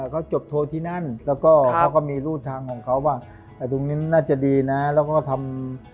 ขอที่นั่นแล้วก็เขาก็มีรูทางของเขาก็เอาก็ก็คงนี้น่าจะดีนะแล้วก็ทำ